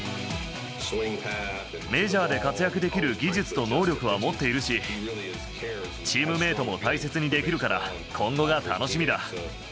メジャーで活躍できる技術と能力は持っているし、チームメートも大切にできるから、今後が楽しみだ。